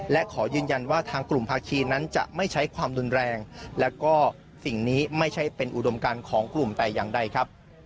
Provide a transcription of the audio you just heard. และขอยืนยันว่าทางกลุ่มภาคีนั้นจะไม่ใช้ความรุนแรงและก็สิ่งนี้ไม่ใช่เป็นอุดมการของกลุ่มแต่อย่างใดครับ